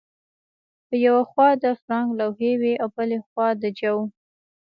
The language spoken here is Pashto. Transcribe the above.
په یوه خوا د فرانک لوحې وې او بل خوا د جو